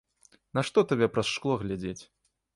Нашто табе праз шкло глядзець.